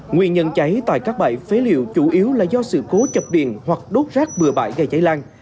nguyên nhân cháy tại các bãi phế liệu chủ yếu là do sự cố chập điện hoặc đốt rác bừa bãi gây cháy lan